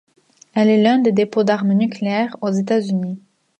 Elle est l'un des dépôts d'armes nucléaires aux États-Unis.